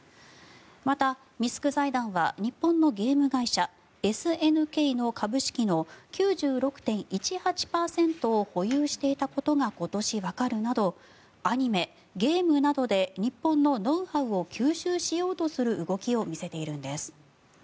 また、ミスク財団は日本のゲーム会社ＳＮＫの株式の９６．１８％を保有していたことが今年、わかるなどアニメ、ゲームなどで日本のノウハウを吸収しようとする動きを見せているんです。